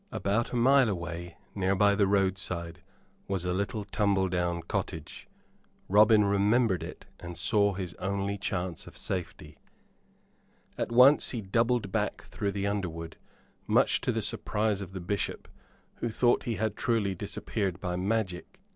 About a mile away, near by the roadside, was a little tumble down cottage. Robin remembered it and saw his only chance of safety. At once he doubled back through the underwood, much to the surprise of the Bishop, who thought he had truly disappeared by magic.